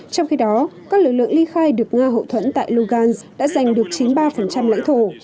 trong khi đó các lực lượng ly khai được nga hậu thuẫn tại logan đã giành được chín mươi ba lãnh thổ